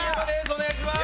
お願いします！